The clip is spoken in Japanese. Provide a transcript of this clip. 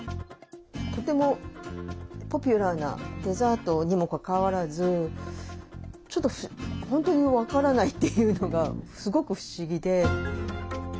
とてもポピュラーなデザートにもかかわらずちょっと本当に分からないっていうのがすごく不思議で。